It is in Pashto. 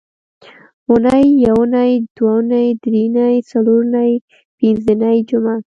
اونۍ یونۍ دونۍ درېنۍ څلورنۍ پینځنۍ جمعه